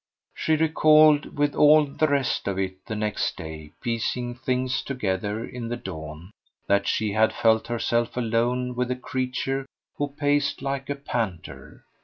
She recalled, with all the rest of it, the next day, piecing things together in the dawn, that she had felt herself alone with a creature who paced like a panther.